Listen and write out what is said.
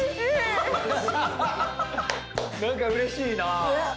何かうれしいな。